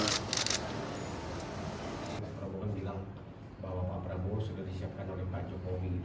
pak prabowo bilang bahwa pak prabowo sudah disiapkan oleh pak jokowi